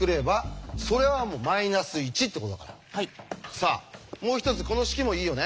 さあもう一つこの式もいいよね？